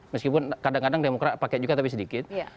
meskipun kadang kadang demokrat pakai juga tapi sedikit